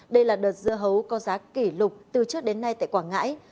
đây là đợt dưa hấu có giá kỷ lục từ trước đến nay tại quảng ngãi